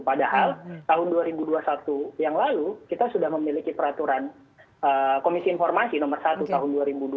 padahal tahun dua ribu dua puluh satu yang lalu kita sudah memiliki peraturan komisi informasi nomor satu tahun dua ribu dua puluh